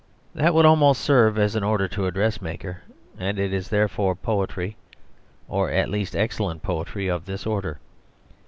That would almost serve as an order to a dressmaker, and is therefore poetry, or at least excellent poetry of this order.